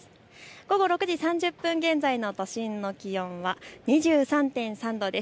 午後６時３０分現在の都心の気温は２３．３度です。